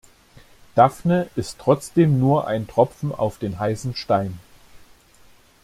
Daphne ist trotzdem nur ein Tropfen auf den heißen Stein.